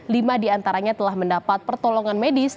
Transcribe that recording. lima di antaranya telah mendapat pertolongan medis